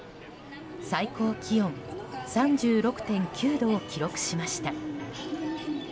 最高気温３６．９度を記録しました。